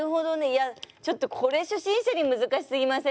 いやちょっとこれ初心者に難しすぎません？